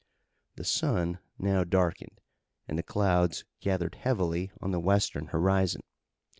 The sun now darkened and the clouds gathered heavily on the Western horizon.